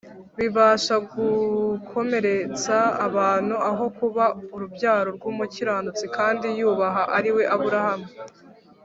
bibasha gukomeretsa abantu, aho kuba urubyaro rw’umukiranutsi kandi wubaha ariwe Aburahamu